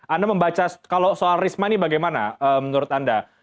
anda membaca kalau soal risma ini bagaimana menurut anda